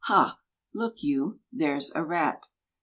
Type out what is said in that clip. Hal Look you, there's a rat.